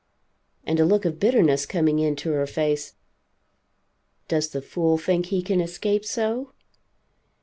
And a look of bitterness coming into her face does the fool think he can escape so?